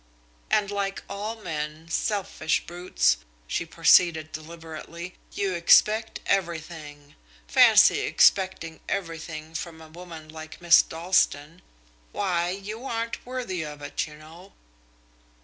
"And like all men selfish brutes!" she proceeded deliberately "you expect everything. Fancy expecting everything from a woman like Miss Dalstan! Why, you aren't worthy of it, you know."